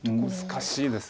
難しいです。